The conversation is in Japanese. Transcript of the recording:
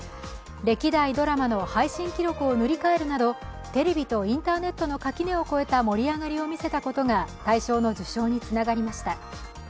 歴代ドラマの配信記録を塗り替えるなどテレビとインターネットの垣根を越えた盛り上がりを見せたことが大賞の受賞につながりました。